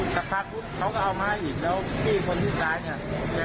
กลับพักเขาก็เอามาอีกแล้วพี่คนที่ซ้ายเนี้ย